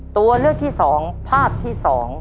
ตัวเลือกที่๒ภาพที่๒